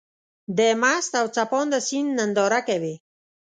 د مست او څپانده سيند ننداره کوې.